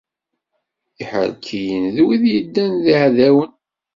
Iḥerkiyen d wid yeddan d yeɛdawen.